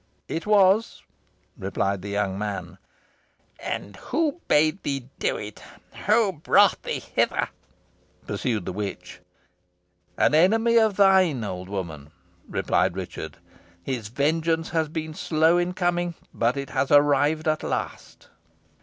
"It was!" replied the young man. "And who bade thee do it who brought thee hither?" pursued the witch. "An enemy of thine, old woman!" replied Richard, "His vengeance has been slow in coming, but it has arrived at last."